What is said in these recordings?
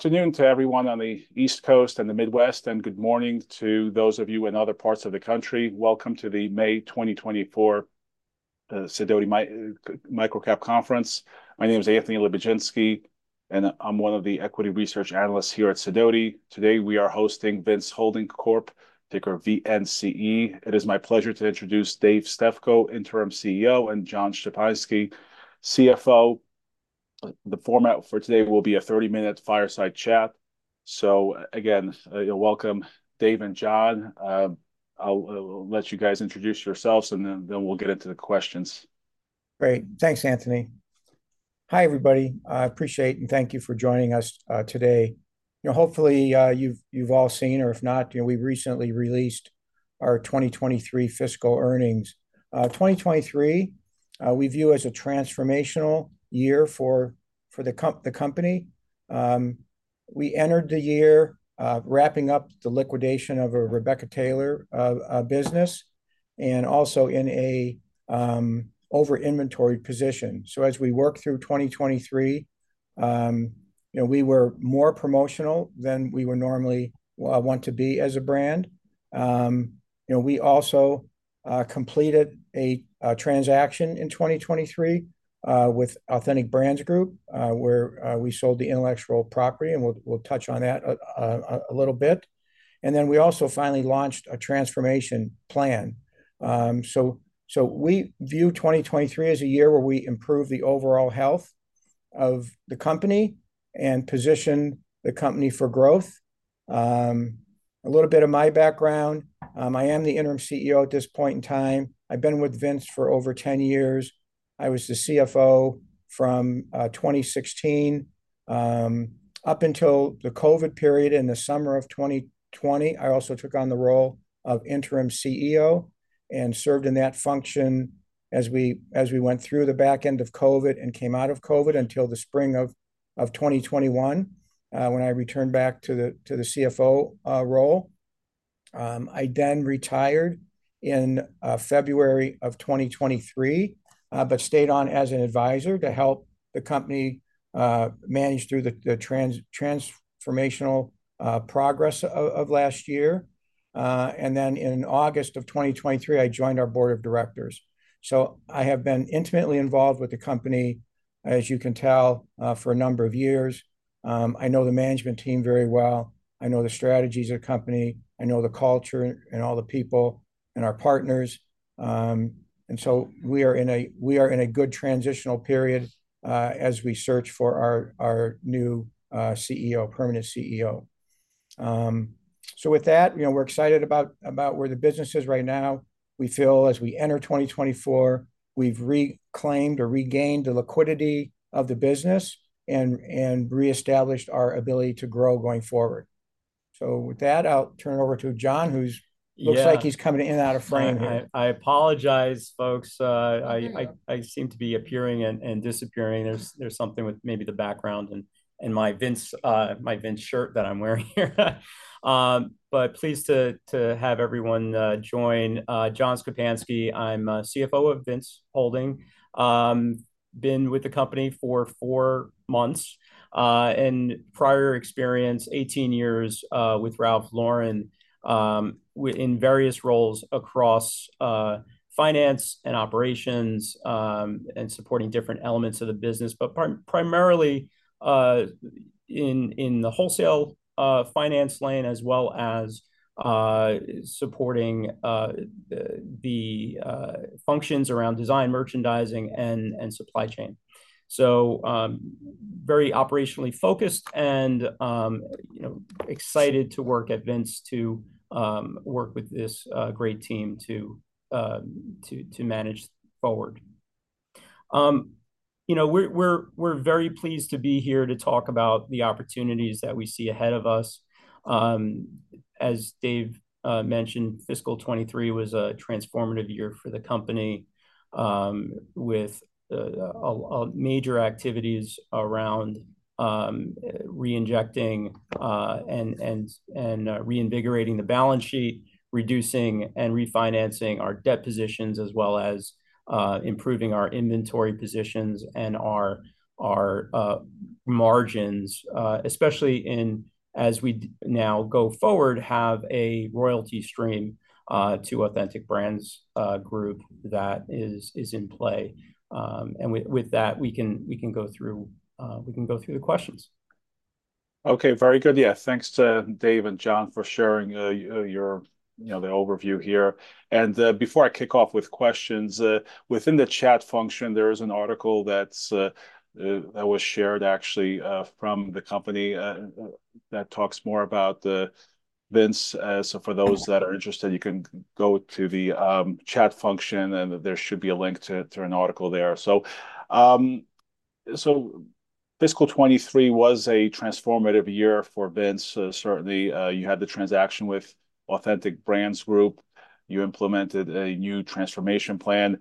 Afternoon to everyone on the East Coast and the Midwest, and good morning to those of you in other parts of the country. Welcome to the May 2024 Sidoti MicroCap Conference. My name is Anthony Lebiedzinski, and I'm one of the equity research analysts here at Sidoti. Today we are hosting Vince Holding Corp, ticker VNCE. It is my pleasure to introduce Dave Stefko, Interim CEO, and John Szczepanski, CFO. The format for today will be a 30-minute fireside chat. So again, welcome, Dave and John. I'll let you guys introduce yourselves, and then we'll get into the questions. Great. Thanks, Anthony. Hi, everybody. I appreciate and thank you for joining us today. You know, hopefully you've all seen, or if not, you know, we recently released our 2023 fiscal earnings. 2023, we view as a transformational year for the company. We entered the year wrapping up the liquidation of a Rebecca Taylor business and also in an over-inventoried position. So as we worked through 2023, you know, we were more promotional than we would normally want to be as a brand. You know, we also completed a transaction in 2023 with Authentic Brands Group, where we sold the intellectual property, and we'll touch on that a little bit. And then we also finally launched a transformation plan. So we view 2023 as a year where we improve the overall health of the company and position the company for growth. A little bit of my background: I am the Interim CEO at this point in time. I've been with Vince for over 10 years. I was the CFO from 2016. Up until the COVID period in the summer of 2020, I also took on the role of Interim CEO and served in that function as we went through the back end of COVID and came out of COVID until the spring of 2021 when I returned back to the CFO role. I then retired in February 2023 but stayed on as an advisor to help the company manage through the transformational progress of last year. Then in August 2023, I joined our board of directors. I have been intimately involved with the company, as you can tell, for a number of years. I know the management team very well. I know the strategies of the company. I know the culture and all the people and our partners. And so we are in a good transitional period as we search for our new CEO, permanent CEO. So with that, you know, we're excited about where the business is right now. We feel as we enter 2024, we've reclaimed or regained the liquidity of the business and reestablished our ability to grow going forward. So with that, I'll turn it over to John, who looks like he's coming in and out of frame here. I apologize, folks. I seem to be appearing and disappearing. There's something with maybe the background and my Vince shirt that I'm wearing here. Pleased to have everyone join. John Szczepanski, I'm CFO of Vince Holding. Been with the company for 4 months. Prior experience: 18 years with Ralph Lauren in various roles across finance and operations and supporting different elements of the business, but primarily in the wholesale finance lane as well as supporting the functions around design, merchandising, and supply chain. Very operationally focused and, you know, excited to work at Vince to work with this great team to manage forward. You know, we're very pleased to be here to talk about the opportunities that we see ahead of us. As Dave mentioned, fiscal 2023 was a transformative year for the company with major activities around reinjecting and reinvigorating the balance sheet, reducing and refinancing our debt positions, as well as improving our inventory positions and our margins, especially in, as we now go forward, have a royalty stream to Authentic Brands Group that is in play. With that, we can go through the questions. Okay, very good. Yeah, thanks to Dave and John for sharing your overview here. Before I kick off with questions, within the chat function, there is an article that was shared, actually, from the company that talks more about Vince. For those that are interested, you can go to the chat function, and there should be a link to an article there. Fiscal 2023 was a transformative year for Vince, certainly. You had the transaction with Authentic Brands Group. You implemented a new transformation plan.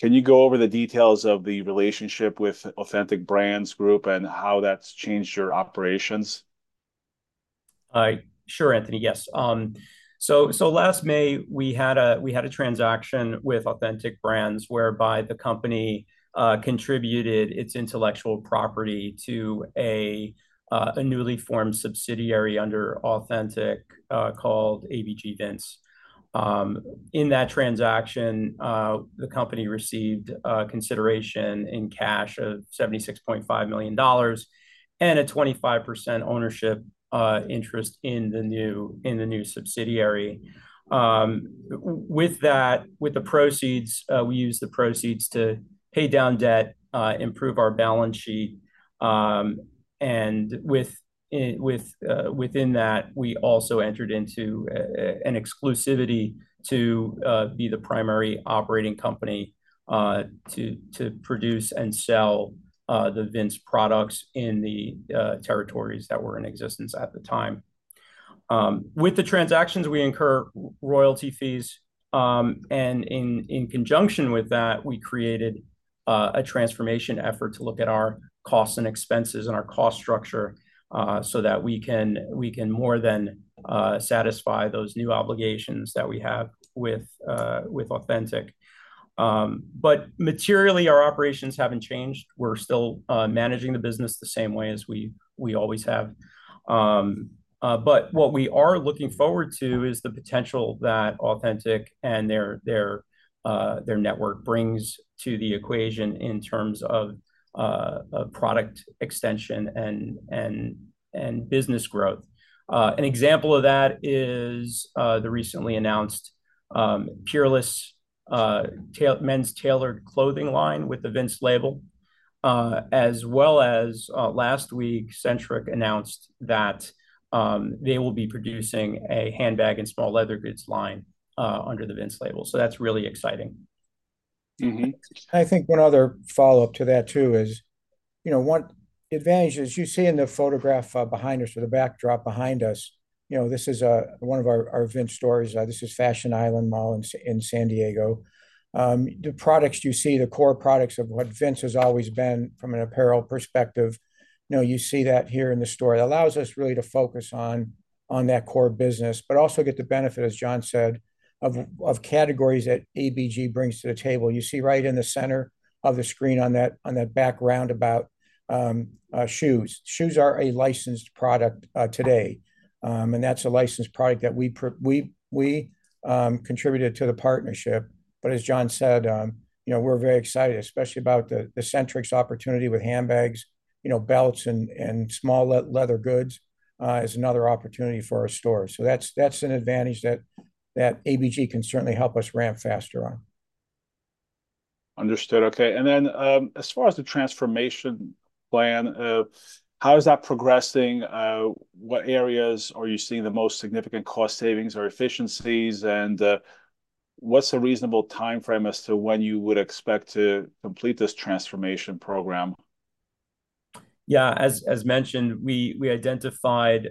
Can you go over the details of the relationship with Authentic Brands Group and how that's changed your operations? Sure, Anthony. Yes. So last May, we had a transaction with Authentic Brands whereby the company contributed its intellectual property to a newly formed subsidiary under Authentic called ABG Vince. In that transaction, the company received consideration in cash of $76.5 million and a 25% ownership interest in the new subsidiary. With the proceeds, we used the proceeds to pay down debt, improve our balance sheet. And within that, we also entered into an exclusivity to be the primary operating company to produce and sell the Vince products in the territories that were in existence at the time. With the transactions, we incur royalty fees. And in conjunction with that, we created a transformation effort to look at our costs and expenses and our cost structure so that we can more than satisfy those new obligations that we have with Authentic. But materially, our operations haven't changed. We're still managing the business the same way as we always have. But what we are looking forward to is the potential that Authentic and their network brings to the equation in terms of product extension and business growth. An example of that is the recently announced Peerless men's tailored clothing line with the Vince label, as well as last week, Centric announced that they will be producing a handbag and small leather goods line under the Vince label. So that's really exciting. I think one other follow-up to that, too, is, you know, one advantage is you see in the photograph behind us or the backdrop behind us, you know, this is one of our Vince stores. This is Fashion Island Mall in San Diego. The products you see, the core products of what Vince has always been from an apparel perspective, you know, you see that here in the store. It allows us really to focus on that core business but also get the benefit, as John said, of categories that ABG brings to the table. You see right in the center of the screen on that back roundabout shoes. Shoes are a licensed product today, and that's a licensed product that we contributed to the partnership. As John said, you know, we're very excited, especially about the Centric's opportunity with handbags, you know, belts, and small leather goods as another opportunity for our store. That's an advantage that ABG can certainly help us ramp faster on. Understood. Okay. And then as far as the transformation plan, how is that progressing? What areas are you seeing the most significant cost savings or efficiencies? And what's a reasonable time frame as to when you would expect to complete this transformation program? Yeah, as mentioned, we identified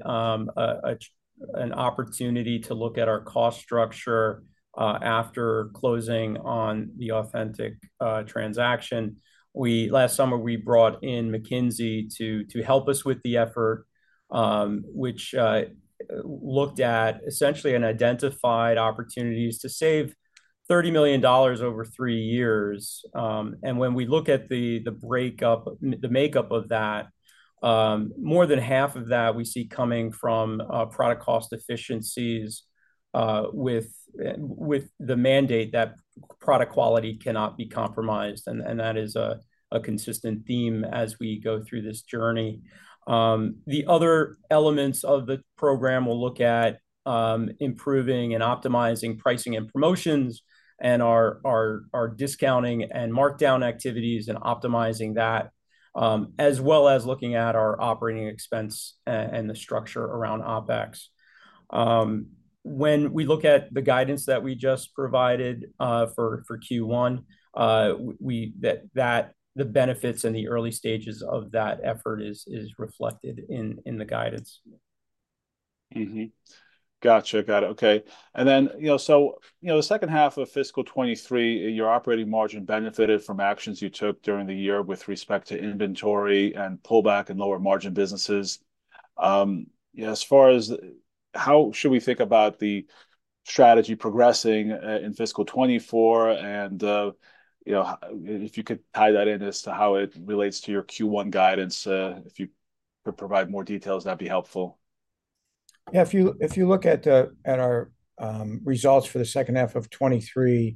an opportunity to look at our cost structure after closing on the Authentic transaction. Last summer, we brought in McKinsey to help us with the effort, which looked at essentially and identified opportunities to save $30 million over three years. And when we look at the breakup, the makeup of that, more than half of that we see coming from product cost efficiencies with the mandate that product quality cannot be compromised. And that is a consistent theme as we go through this journey. The other elements of the program will look at improving and optimizing pricing and promotions and our discounting and markdown activities and optimizing that, as well as looking at our operating expense and the structure around OpEx. When we look at the guidance that we just provided for Q1, the benefits and the early stages of that effort is reflected in the guidance. Gotcha. Got it. Okay. And then, you know, so the second half of fiscal 2023, your operating margin benefited from actions you took during the year with respect to inventory and pullback and lower margin businesses. Yeah, as far as how should we think about the strategy progressing in fiscal 2024? And, you know, if you could tie that in as to how it relates to your Q1 guidance, if you could provide more details, that'd be helpful. Yeah, if you look at our results for the second half of 2023, you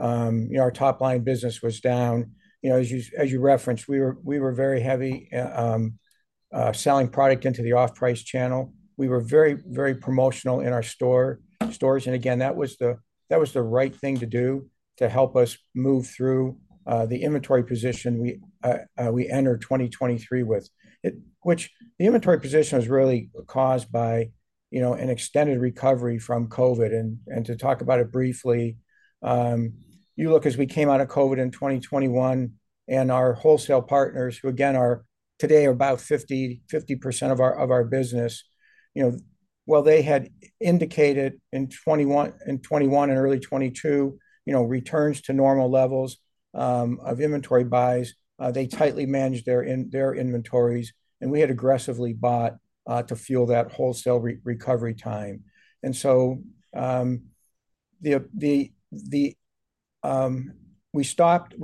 know, our top-line business was down. You know, as you referenced, we were very heavy selling product into the off-price channel. We were very, very promotional in our stores. And again, that was the right thing to do to help us move through the inventory position we entered 2023 with, which the inventory position was really caused by, you know, an extended recovery from COVID. And to talk about it briefly, you look as we came out of COVID in 2021, and our wholesale partners, who again are today about 50% of our business, you know, while they had indicated in 2021 and early 2022, you know, returns to normal levels of inventory buys, they tightly managed their inventories, and we had aggressively bought to fuel that wholesale recovery time. We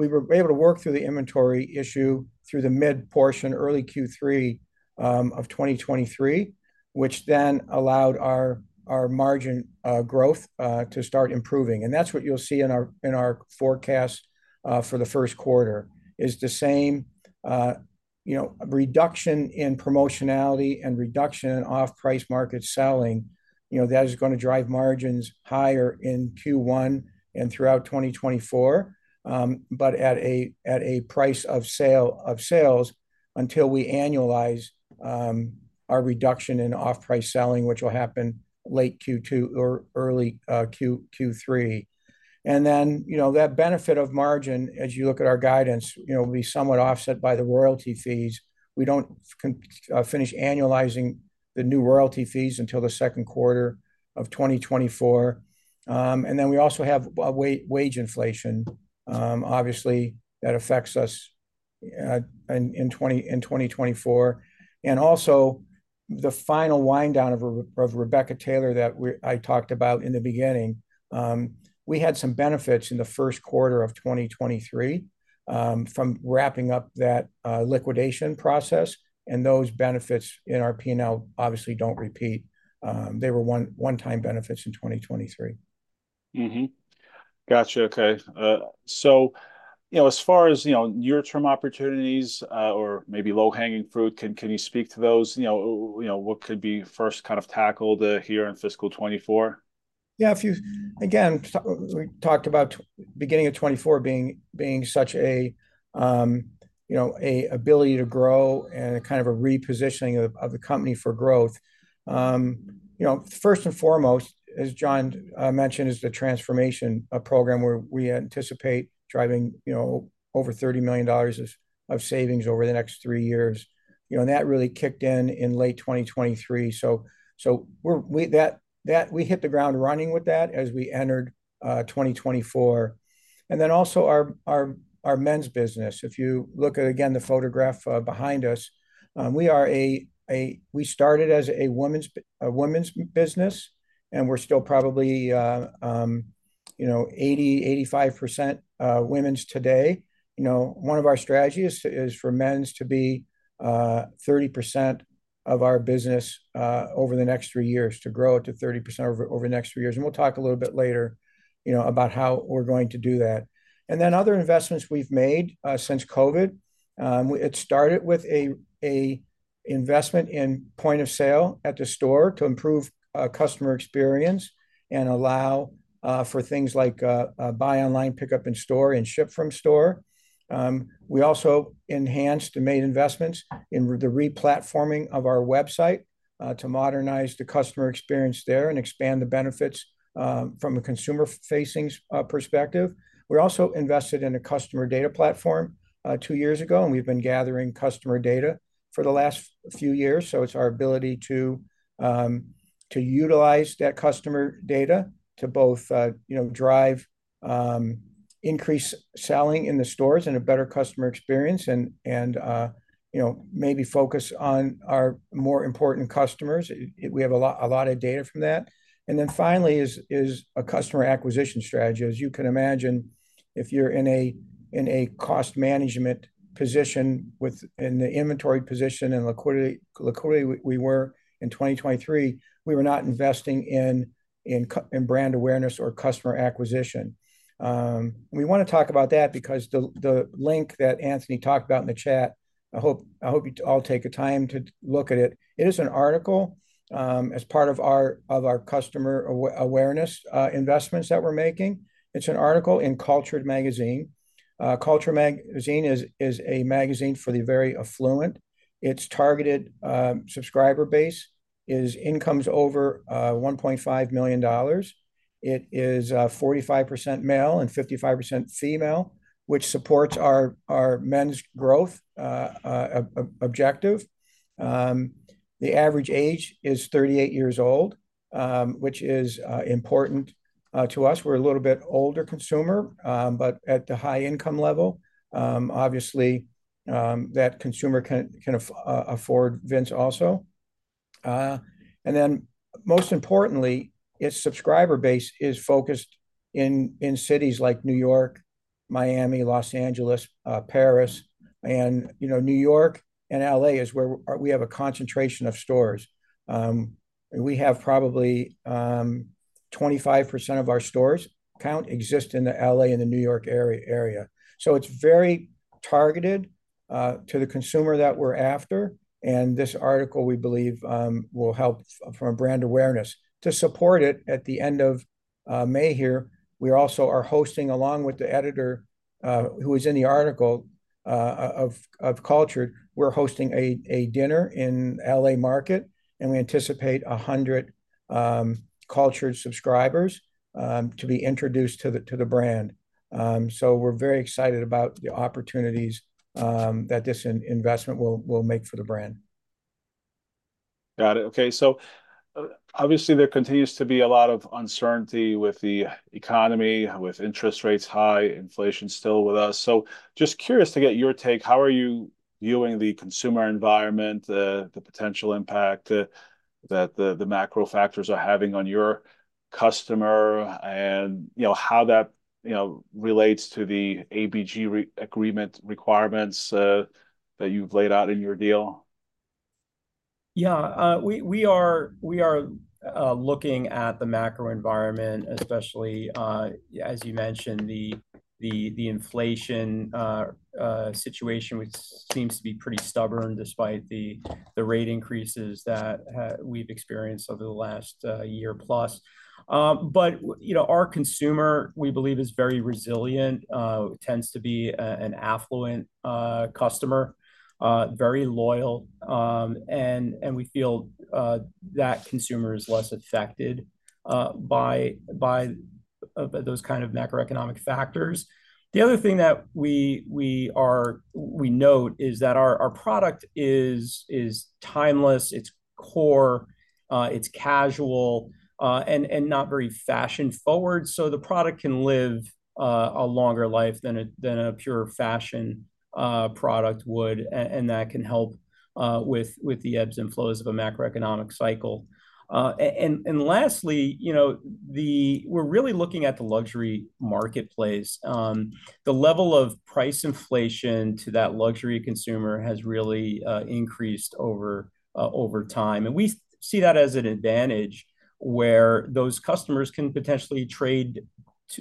were able to work through the inventory issue through the mid-portion, early Q3 of 2023, which then allowed our margin growth to start improving. That's what you'll see in our forecast for the first quarter, is the same, you know, reduction in promotionality and reduction in off-price market selling. You know, that is going to drive margins higher in Q1 and throughout 2024, but at a price of sales until we annualize our reduction in off-price selling, which will happen late Q2 or early Q3. Then, you know, that benefit of margin, as you look at our guidance, you know, will be somewhat offset by the royalty fees. We don't finish annualizing the new royalty fees until the second quarter of 2024. Then we also have wage inflation, obviously, that affects us in 2024. Also the final wind-down of Rebecca Taylor that I talked about in the beginning, we had some benefits in the first quarter of 2023 from wrapping up that liquidation process. Those benefits in our P&L obviously don't repeat. They were one-time benefits in 2023. Gotcha. Okay. So, you know, as far as, you know, near-term opportunities or maybe low-hanging fruit, can you speak to those? You know, what could be first kind of tackled here in fiscal 2024? Yeah, if you again, we talked about beginning of 2024 being such a, you know, ability to grow and kind of a repositioning of the company for growth. You know, first and foremost, as John mentioned, is the transformation program where we anticipate driving, you know, over $30 million of savings over the next three years. You know, and that really kicked in in late 2023. So we hit the ground running with that as we entered 2024. And then also our men's business. If you look at, again, the photograph behind us, we started as a women's business, and we're still probably, you know, 80%-85% women's today. You know, one of our strategies is for men's to be 30% of our business over the next three years, to grow it to 30% over the next three years. And we'll talk a little bit later, you know, about how we're going to do that. And then other investments we've made since COVID. It started with an investment in point of sale at the store to improve customer experience and allow for things like buy online, pick up in store, and ship from store. We also enhanced and made investments in the replatforming of our website to modernize the customer experience there and expand the benefits from a consumer-facing perspective. We also invested in a customer data platform two years ago, and we've been gathering customer data for the last few years. So it's our ability to utilize that customer data to both, you know, drive increased selling in the stores and a better customer experience and, you know, maybe focus on our more important customers. We have a lot of data from that. And then finally is a customer acquisition strategy. As you can imagine, if you're in a cost management position in the inventory position and liquidity we were in 2023, we were not investing in brand awareness or customer acquisition. We want to talk about that because the link that Anthony talked about in the chat, I hope you all take the time to look at it. It is an article as part of our customer awareness investments that we're making. It's an article in Cultured magazine. Cultured magazine is a magazine for the very affluent. Its targeted subscriber base is incomes over $1.5 million. It is 45% male and 55% female, which supports our men's growth objective. The average age is 38 years old, which is important to us. We're a little bit older consumer, but at the high-income level. Obviously, that consumer can afford Vince also. And then most importantly, its subscriber base is focused in cities like New York, Miami, Los Angeles, Paris. And, you know, New York and L.A. is where we have a concentration of stores. We have probably 25% of our store count exist in the L.A. and the New York area. So it's very targeted to the consumer that we're after. And this article, we believe, will help from a brand awareness. To support it, at the end of May here, we also are hosting, along with the editor who is in the article of Cultured, we're hosting a dinner in L.A. Market, and we anticipate 100 Cultured subscribers to be introduced to the brand. So we're very excited about the opportunities that this investment will make for the brand. Got it. Okay. So obviously, there continues to be a lot of uncertainty with the economy, with interest rates high, inflation still with us. So just curious to get your take. How are you viewing the consumer environment, the potential impact that the macro factors are having on your customer, and, you know, how that, you know, relates to the ABG agreement requirements that you've laid out in your deal? Yeah, we are looking at the macro environment, especially, as you mentioned, the inflation situation, which seems to be pretty stubborn despite the rate increases that we've experienced over the last year plus. But, you know, our consumer, we believe, is very resilient, tends to be an affluent customer, very loyal, and we feel that consumer is less affected by those kind of macroeconomic factors. The other thing that we note is that our product is timeless, it's core, it's casual, and not very fashion-forward. So the product can live a longer life than a pure fashion product would, and that can help with the ebbs and flows of a macroeconomic cycle. And lastly, you know, we're really looking at the luxury marketplace. The level of price inflation to that luxury consumer has really increased over time. We see that as an advantage where those customers can potentially trade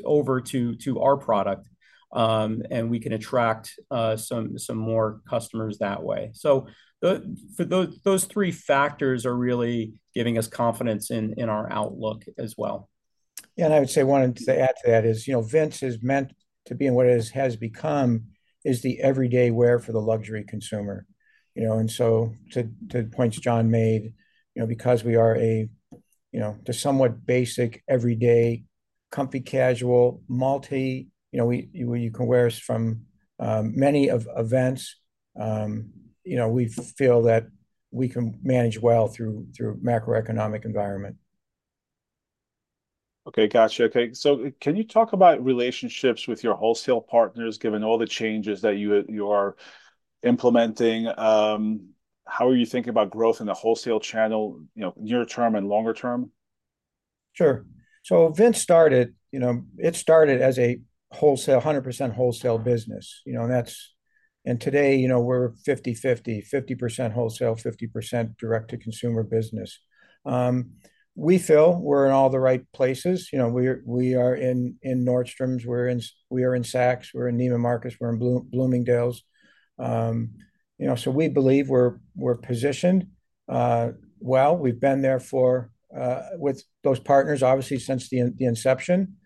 over to our product, and we can attract some more customers that way. So those three factors are really giving us confidence in our outlook as well. Yeah, and I would say one to add to that is, you know, Vince is meant to be and what it has become is the everyday wear for the luxury consumer. You know, and so to the points John made, you know, because we are a, you know, the somewhat basic, everyday, comfy, casual, multi, you know, you can wear us from many events, you know, we feel that we can manage well through macroeconomic environment. Okay. Gotcha. Okay. So can you talk about relationships with your wholesale partners, given all the changes that you are implementing? How are you thinking about growth in the wholesale channel, you know, near-term and longer-term? Sure. So Vince started, you know, it started as a 100% wholesale business, you know, and today, you know, we're 50/50, 50% wholesale, 50% direct-to-consumer business. We feel we're in all the right places. You know, we are in Nordstrom's, we're in Saks, we're in Neiman Marcus, we're in Bloomingdale's. You know, so we believe we're positioned well. We've been there with those partners, obviously, since the inception.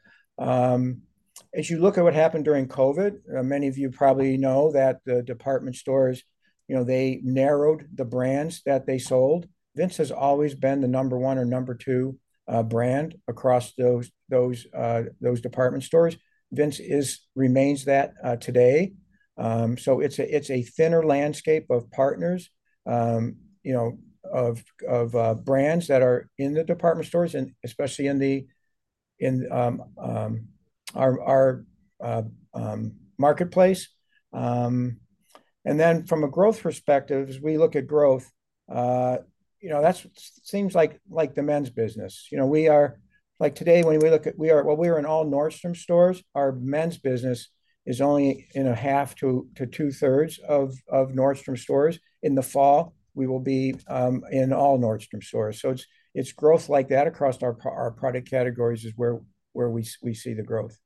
As you look at what happened during COVID, many of you probably know that the department stores, you know, they narrowed the brands that they sold. Vince has always been the number one or number two brand across those department stores. Vince remains that today. So it's a thinner landscape of partners, you know, of brands that are in the department stores and especially in our marketplace. From a growth perspective, as we look at growth, you know, that seems like the men's business. You know, we are like today, when we look at we are while we were in all Nordstrom stores, our men's business is only in a half to two-thirds of Nordstrom stores. In the fall, we will be in all Nordstrom stores. So it's growth like that across our product categories is where we see the growth.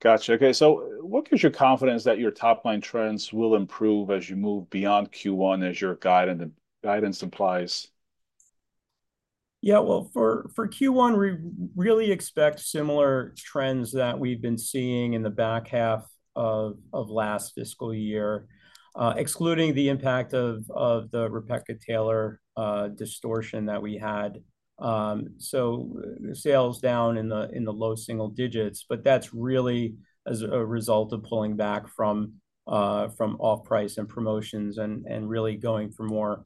Gotcha. Okay. So what gives you confidence that your top-line trends will improve as you move beyond Q1, as your guidance implies? Yeah, well, for Q1, we really expect similar trends that we've been seeing in the back half of last fiscal year, excluding the impact of the Rebecca Taylor distortion that we had. So sales down in the low single digits, but that's really as a result of pulling back from off-price and promotions and really going for more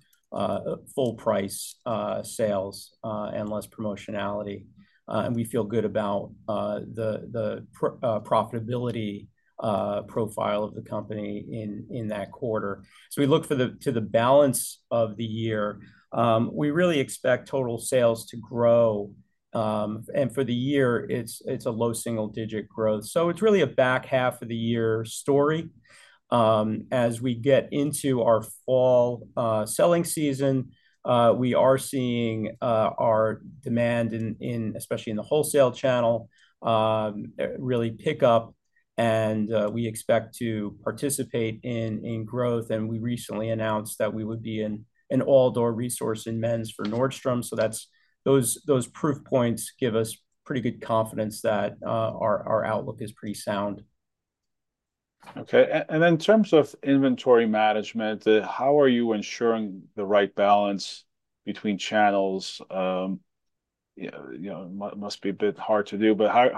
full-price sales and less promotionality. And we feel good about the profitability profile of the company in that quarter. As we look to the balance of the year, we really expect total sales to grow. And for the year, it's a low single-digit growth. So it's really a back half of the year story. As we get into our fall selling season, we are seeing our demand, especially in the wholesale channel, really pick up, and we expect to participate in growth. We recently announced that we would be an all-door resource in men's for Nordstrom. Those proof points give us pretty good confidence that our outlook is pretty sound. Okay. And then in terms of inventory management, how are you ensuring the right balance between channels? You know, it must be a bit hard to do, but how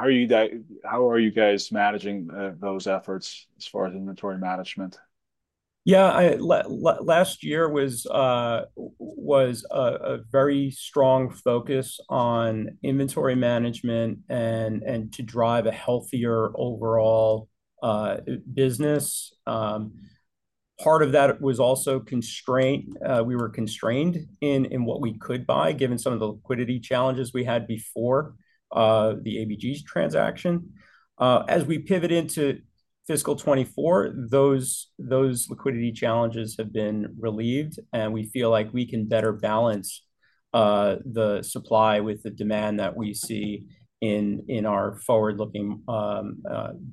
are you guys managing those efforts as far as inventory management? Yeah, last year was a very strong focus on inventory management and to drive a healthier overall business. Part of that was also constraints. We were constrained in what we could buy, given some of the liquidity challenges we had before the ABG transaction. As we pivot into fiscal 2024, those liquidity challenges have been relieved, and we feel like we can better balance the supply with the demand that we see in our forward-looking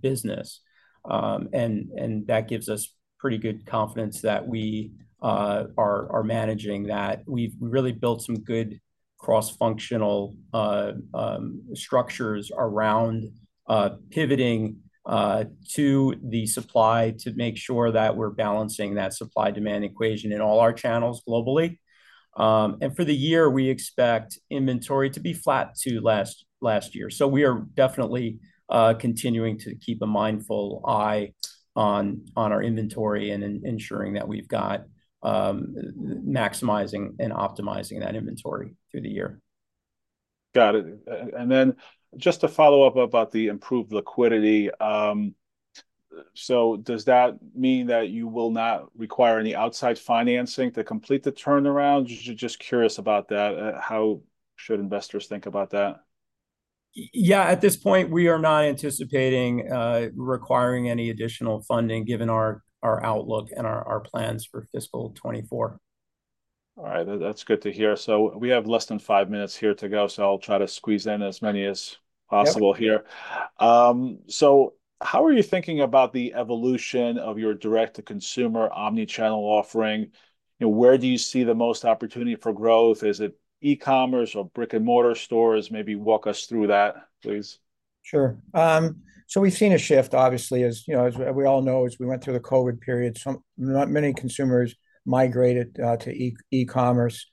business. And that gives us pretty good confidence that we are managing that. We've really built some good cross-functional structures around pivoting to the supply to make sure that we're balancing that supply-demand equation in all our channels globally. And for the year, we expect inventory to be flat to last year. We are definitely continuing to keep a mindful eye on our inventory and ensuring that we've got maximizing and optimizing that inventory through the year. Got it. And then just to follow up about the improved liquidity. So does that mean that you will not require any outside financing to complete the turnaround? Just curious about that. How should investors think about that? Yeah, at this point, we are not anticipating requiring any additional funding, given our outlook and our plans for fiscal 2024. All right. That's good to hear. We have less than five minutes here to go, so I'll try to squeeze in as many as possible here. How are you thinking about the evolution of your direct-to-consumer omnichannel offering? Where do you see the most opportunity for growth? Is it e-commerce or brick-and-mortar stores? Maybe walk us through that, please. Sure. So we've seen a shift, obviously, as you know, as we all know, as we went through the COVID period, many consumers migrated to e-commerce.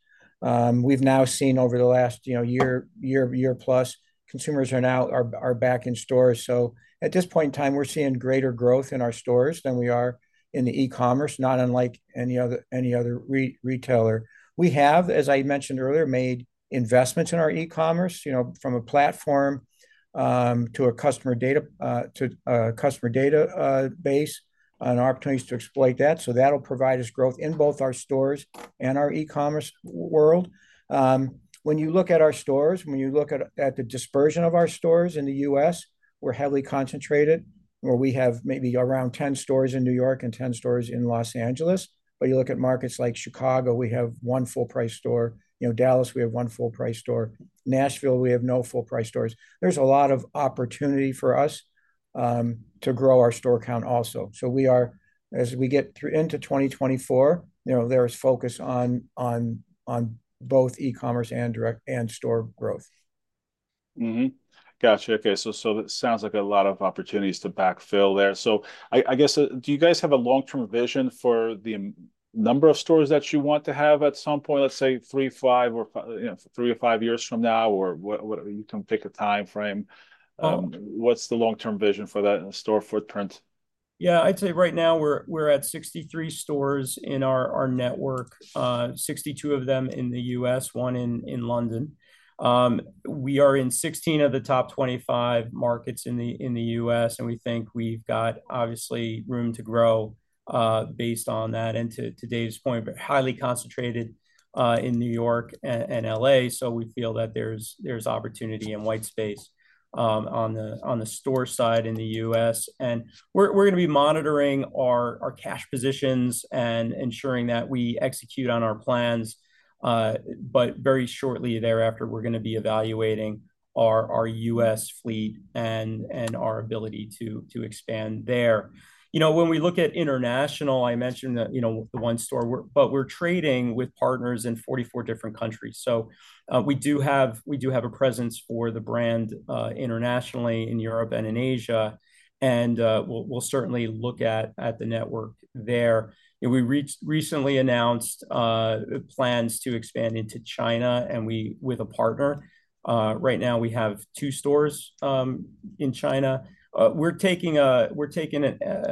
We've now seen over the last year, year plus, consumers are now back in stores. So at this point in time, we're seeing greater growth in our stores than we are in the e-commerce, not unlike any other retailer. We have, as I mentioned earlier, made investments in our e-commerce, you know, from a platform to a customer database, and opportunities to exploit that. So that'll provide us growth in both our stores and our e-commerce world. When you look at our stores, when you look at the dispersion of our stores in the U.S., we're heavily concentrated, where we have maybe around 10 stores in New York and 10 stores in Los Angeles. You look at markets like Chicago, we have one full-price store. You know, Dallas, we have one full-price store. Nashville, we have no full-price stores. There's a lot of opportunity for us to grow our store count also. We are, as we get into 2024, you know, there is focus on both e-commerce and store growth. Gotcha. Okay. So it sounds like a lot of opportunities to backfill there. So I guess, do you guys have a long-term vision for the number of stores that you want to have at some point, let's say 3, 5, or 3 or 5 years from now, or you can pick a time frame? What's the long-term vision for that store footprint? Yeah, I'd say right now we're at 63 stores in our network, 62 of them in the U.S., one in London. We are in 16 of the top 25 markets in the U.S., and we think we've got, obviously, room to grow based on that. And to Dave's point, we're highly concentrated in New York and L.A., so we feel that there's opportunity and white space on the store side in the U.S. And we're going to be monitoring our cash positions and ensuring that we execute on our plans, but very shortly thereafter, we're going to be evaluating our U.S. fleet and our ability to expand there. You know, when we look at international, I mentioned that, you know, the one store, but we're trading with partners in 44 different countries. So we do have a presence for the brand internationally in Europe and in Asia, and we'll certainly look at the network there. We recently announced plans to expand into China with a partner. Right now, we have 2 stores in China. We're taking a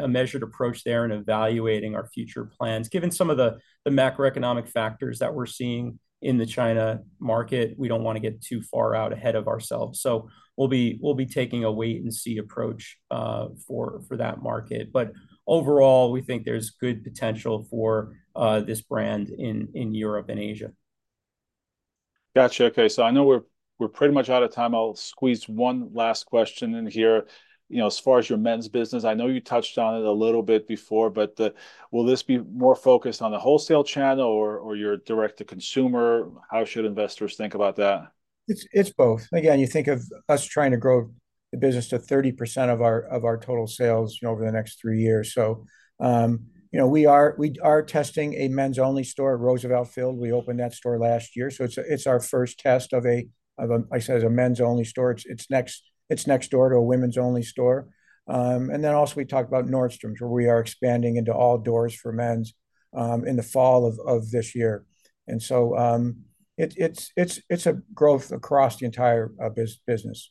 measured approach there and evaluating our future plans. Given some of the macroeconomic factors that we're seeing in the China market, we don't want to get too far out ahead of ourselves. So we'll be taking a wait-and-see approach for that market. But overall, we think there's good potential for this brand in Europe and Asia. Gotcha. Okay. So I know we're pretty much out of time. I'll squeeze one last question in here. You know, as far as your men's business, I know you touched on it a little bit before, but will this be more focused on the wholesale channel or your direct-to-consumer? How should investors think about that? It's both. Again, you think of us trying to grow the business to 30% of our total sales over the next three years. So, you know, we are testing a men's-only store at Roosevelt Field. We opened that store last year. So it's our first test of a, like I said, a men's-only store. It's next door to a women's-only store. And then also, we talked about Nordstrom's, where we are expanding into all doors for men's in the fall of this year. And so it's a growth across the entire business.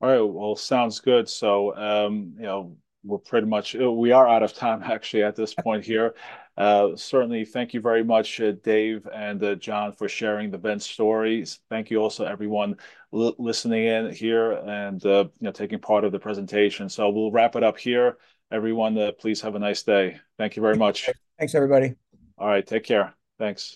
All right. Well, sounds good. So, you know, we're pretty much out of time, actually, at this point here. Certainly, thank you very much, Dave and John, for sharing the Vince stories. Thank you also, everyone listening in here and, you know, taking part of the presentation. So we'll wrap it up here. Everyone, please have a nice day. Thank you very much. Thanks, everybody. All right. Take care. Thanks.